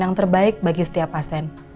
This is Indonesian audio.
yang terbaik bagi setiap pasien